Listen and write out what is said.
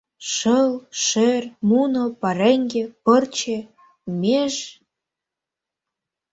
Шыл, шӧр, муно, пареҥге, пырче, меж...